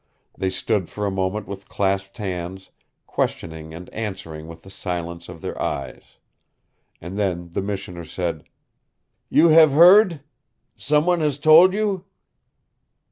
They stood for a moment with clasped hands, questioning and answering with the silence of their eyes. And then the Missioner said: "You have heard? Someone has told you?"